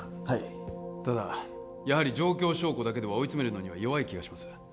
はいただやはり状況証拠だけでは追い詰めるのには弱い気がします